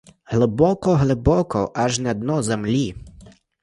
Глибоко, глибоко, аж на дно землі.